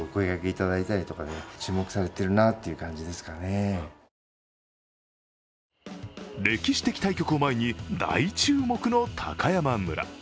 更に、温泉街でも歴史的対局を前に大注目の高山村。